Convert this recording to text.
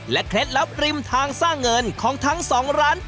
เคล็ดลับริมทางสร้างเงินของทั้งสองร้าน